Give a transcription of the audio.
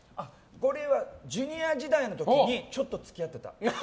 ゴリエはＪｒ．時代の時にちょっと付き合ってた。